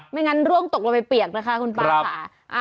งั้นร่วงตกลงไปเปียกนะคะคุณป้าค่ะ